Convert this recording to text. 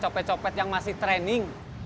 copet copet yang masih training